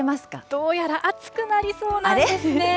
どうやら暑くなりそうなんですね。